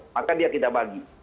maka dia kita bagi